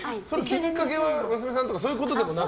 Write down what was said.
きっかけは娘さんとかそういうことでもなく？